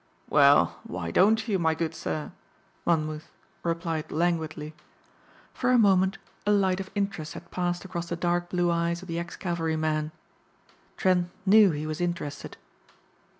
"Well, why don't you, my good sir?" Monmouth replied languidly. For a moment a light of interest had passed across the dark blue eyes of the ex cavalryman. Trent knew he was interested.